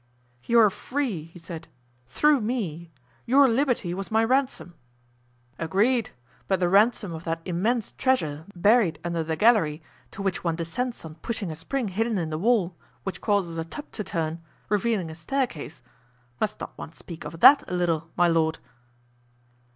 "You are free," he said, "through me; your liberty was my ransom." "Agreed; but the ransom of that immense treasure buried under the gallery, to which one descends on pushing a spring hidden in the wall, which causes a tub to turn, revealing a staircase—must not one speak of that a little, my lord?"